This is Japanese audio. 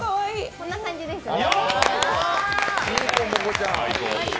こんな感じですね。